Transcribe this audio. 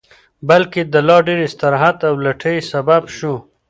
بلکې د لا ډېر استراحت او لټۍ سبب شو